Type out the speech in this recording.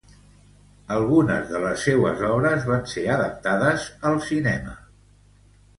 Algunes de les seues obres van ser adaptades al cinema.